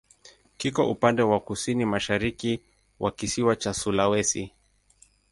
Kiko upande wa kusini-mashariki wa kisiwa cha Sulawesi.